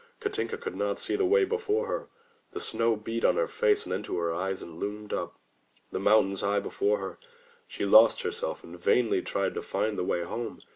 Katinka could not see the way before her. The snow beat on her face and into her eyes and loomed up, mountains high, before her. She lost herself and vainly tried to find the way home.